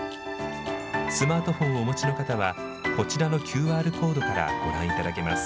スマートフォンをお持ちの方はこちらのＱＲコードからご覧いただけます。